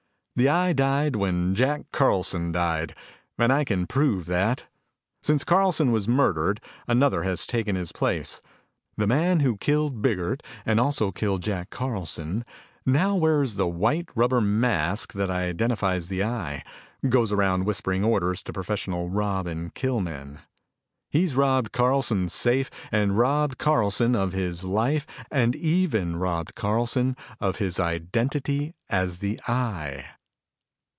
"The Eye died when Jack Carlson died, and I can prove that. Since Carlson was murdered, another has taken his place. The man who killed Biggert and also killed Jack Carlson, now wears the white rubber mask that identifies the Eye, goes around whispering orders to professional rob and kill men. He's robbed Carlson's safe and robbed Carlson of his life and even robbed Carlson of his identity as the Eye.